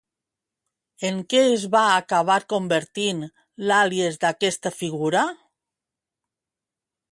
En què es va acabar convertint l'àlies d'aquesta figura?